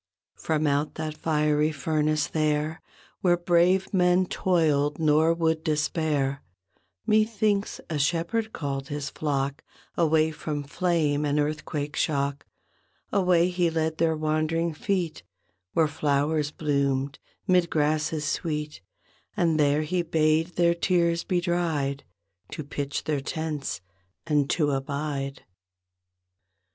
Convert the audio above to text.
From out that fiery furnace there. Where brave men toiled nor would despair, Methinks a Shepherd called his flock Away from flame and earthquake shock; Away He led their wandering feet Where flowers bloomed, 'mid grasses sweet; And there He bade their tears be dried; To pitch their tents and to abide.